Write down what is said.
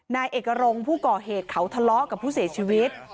นายเอกรงค์ผู้ก่อเหตุเขาทะเลาะกับผู้เสียชีวิต